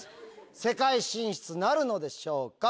世界進出なるのでしょうか。